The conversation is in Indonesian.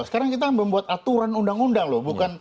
sekarang kita membuat aturan undang undang loh